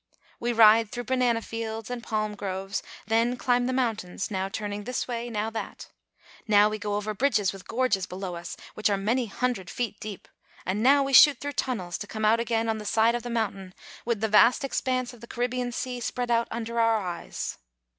We ride through banana fields and palm groves, then climb the mountains, now turning this way, now that. Now we go over bridges with gorges below us which are many hundred feet deep, and now we shoot through tun CARACAS. 339 nels, to come out again on the side of the mountain, with the vast expanse of the Caribbean Sea spread out under our eyes.